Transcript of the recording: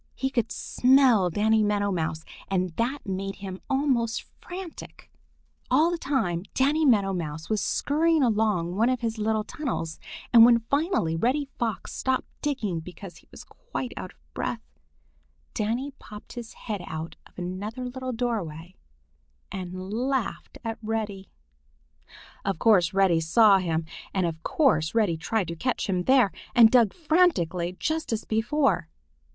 He could smell Danny Meadow Mouse and that made him almost frantic. [Illustration: Danny popped his head out of another little doorway and laughed at Reddy. Page 12.] All the time Danny Meadow Mouse was scurrying along one of his little tunnels, and when finally Reddy Fox stopped digging because he was quite out of breath, Danny popped his head out of another little doorway and laughed at Reddy. Of course Reddy saw him, and of course Reddy tried to catch him there, and dug frantically just as before.